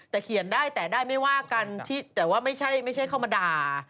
แต่เขียนได้แต่ได้ไม่ว่ากันแต่ว่าไม่ใช่เข้ามาด่า